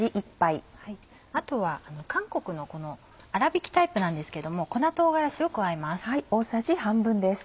あとは韓国の粗びきタイプなんですけども粉唐辛子を加えます。